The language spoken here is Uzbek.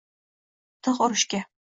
Tig’ urishga